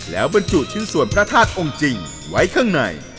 แล้วบรรจุชิ้นส่วนพระธาตุองค์จริงไว้ข้างใน